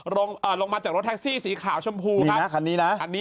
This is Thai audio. ลงเอ่อลงมาจากรถแท็กซี่สีขาวชมพูครับมีนะคันนี้น่ะ